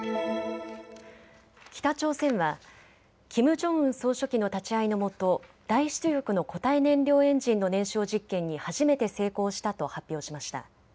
北朝鮮はキム・ジョンウン総書記の立ち会いの下、大出力の固体燃料エンジンの燃焼実験に初めて成功したと発表しました。